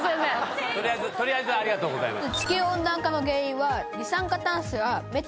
とりあえずありがとうございます